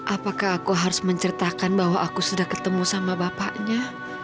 apakah aku harus menceritakan bahwa aku sudah ketemu sama bapaknya